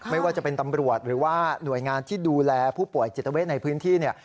ไม่ว่าจะเป็นตำรวจหรือว่าหน่วยงานที่ดูแลผู้ป่วยจิตเวทในพื้นที่เนี่ย